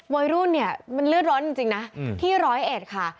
วัยรุ่นเนี่ยมันเลือดร้อนจริงนะที่๑๐๑ค่ะ